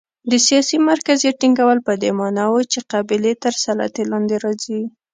د سیاسي مرکزیت ټینګول په دې معنا و چې قبیلې تر سلطې لاندې راځي.